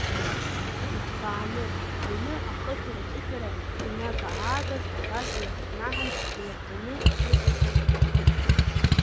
Иҭбааны, аҩны ахышәара-ҵышәара инага-аагаз абарҵа иахакнаҳан илаҟәӡаны иҟаиҵаз ахыб.